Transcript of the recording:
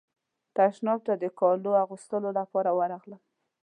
تشناب ته د کالو اغوستلو لپاره ورغلم.